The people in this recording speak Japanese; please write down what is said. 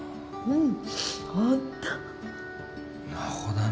うん。